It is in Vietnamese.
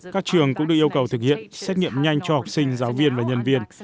các trường cũng được yêu cầu thực hiện xét nghiệm nhanh cho học sinh giáo viên và nhân viên